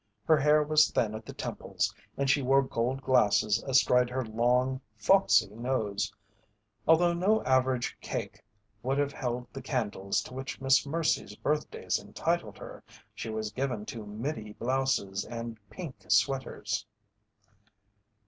Her hair was thin at the temples, and she wore gold glasses astride her long, "foxy" nose. Although no average cake would have held the candles to which Miss Mercy's birthdays entitled her, she was given to "middy" blouses and pink sweaters.